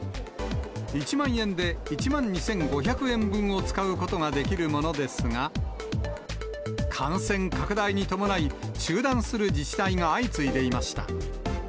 １万円で１万２５００円分を使うことができるものですが、感染拡大に伴い、中断する自治体が相次いでいました。